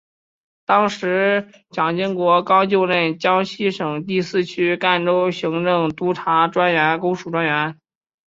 当时蒋经国刚就任江西省第四区赣州行政督察专员公署专员。